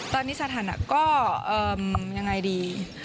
ตอนนี้สถานะก็ยังไงดี